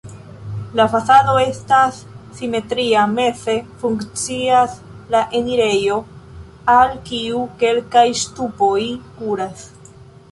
La fasado estas simetria, meze funkcias la enirejo, al kiu kelkaj ŝtupoj kuras.